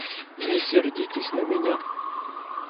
Не сердитесь на меня.